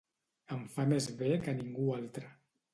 Em fa més bé que ningú altre.